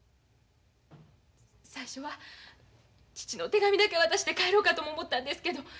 最初は父の手紙だけ渡して帰ろうかとも思ったんですけど。